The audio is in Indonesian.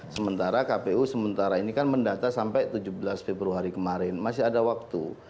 sementara kpu sementara ini kan mendata sampai tujuh belas februari kemarin masih ada waktu